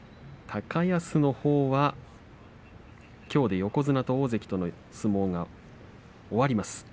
高安のほうは、きょうで横綱と大関の相撲が終わります。